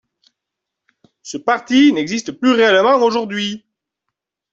Ce parti n'existe plus réellement aujourd'hui.